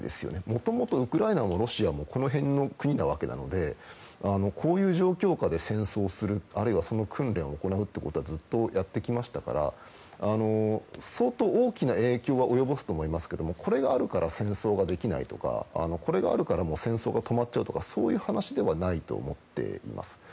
もともとウクライナもロシアもこの辺の国なわけなのでこういう状況下で戦争をするあるいは訓練を行うということはずっとやってきましたから相当大きな影響は及ぼすと思いますけどこれがあるから戦争ができないとか戦争が止まっちゃうとかそういう話ではないと思っています。